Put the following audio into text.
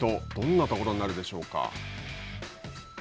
どんなところになるでしょうか。